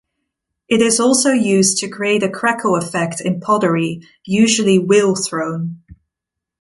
It is also used to create a crackle effect in pottery, usually wheel-thrown.